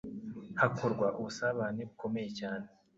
hakorwa ubusabane bukomeye cyane